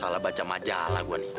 salah baca majalah gue nih